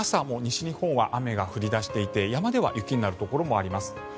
もう西日本は雨が降り出していて山では雪になるところもあります。